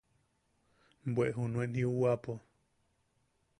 Bwe junuen jiuwapo.